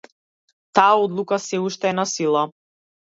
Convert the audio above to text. Таа одлука сѐ уште е на сила.